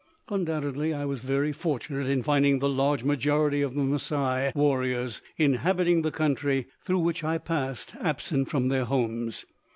Undoubtedly I was very fortunate in finding the large majority of the Masai warriors, inhabiting the country through which I passed, absent from their homes.